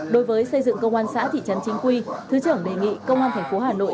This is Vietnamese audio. đối với xây dựng công an xã thị trấn chính quy thứ trưởng đề nghị công an tp hà nội